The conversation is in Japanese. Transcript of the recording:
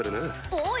おい！